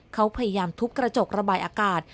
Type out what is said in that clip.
เขาพยายามทุบกระจกระบายอากาศ